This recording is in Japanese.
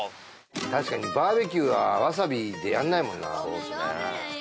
確かにバーベキューはわさびでやんないもんなそうっすね